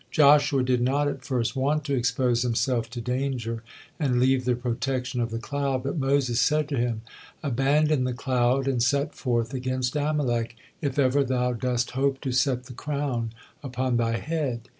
Joshua did not at first want to expose himself to danger and leave the protection of the cloud, but Moses said to him, "Abandon the cloud and set forth against Amalek, if ever thou dost hope to set the crown upon thy head."